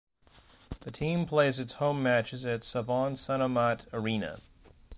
The team plays its home matches at Savon Sanomat Areena.